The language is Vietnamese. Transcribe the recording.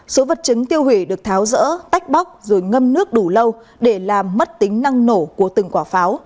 số vật chứng tiêu hủy được tháo rỡ tách bóc rồi ngâm nước đủ lâu để làm mất tính năng nổ của từng quả pháo